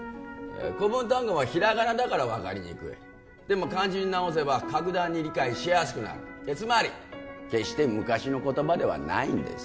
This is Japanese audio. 古文単語はひらがなだから分かりにくいでも漢字に直せば格段に理解しやすくなるつまり決して昔の言葉ではないんです